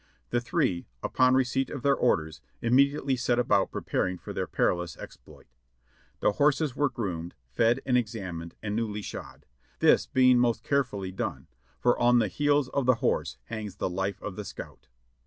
The three, upon receipt of their orders, immediately set about pre paring for their perilous exploit. Their horses were groomed, fed and examined and newly shod — this being most carefully done, for on the heels of the horse hano; s the life of the scout.